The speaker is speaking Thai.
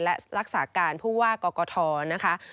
และรักษาการผู้ว่ากกทนะคะ